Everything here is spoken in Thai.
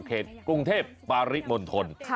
เขตกรุงเทพปริมณฑล